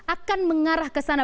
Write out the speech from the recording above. akan mengarah kesana